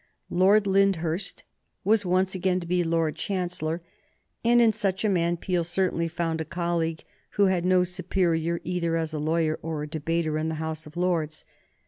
Lord Lyndhurst was once again to be Lord Chancellor, and in such a man Peel certainly found a colleague who had no superior either as a lawyer or a debater in the House of Lords.